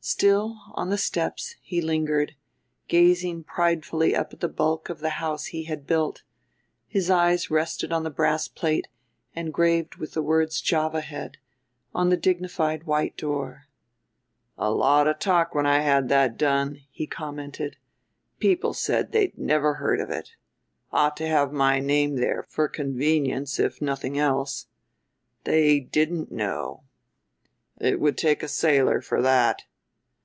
Still, on the steps, he lingered, gazing pridefully up at the bulk of the house he had built; his eyes rested on the brass plate, engraved with the words Java Head, on the dignified white door. "A lot of talk when I had that done," he commented; "people said they'd never heard of it, ought to have my name there for convenience if nothing else. They didn't know. It would take a sailor for that.